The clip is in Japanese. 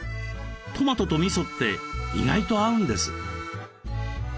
トマトとみそって意外と合うんです。